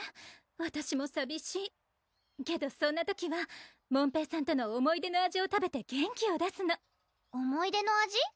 わたしもさびしいけどそんな時は門平さんとの思い出の味を食べて元気を出すの思い出の味？